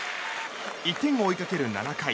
１点を追いかける７回。